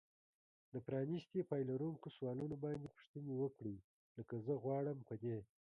د پرانیستي پای لرونکو سوالونو باندې پوښتنې وکړئ. لکه زه غواړم په دې